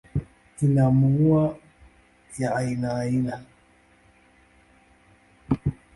Ina maua ya aina aina.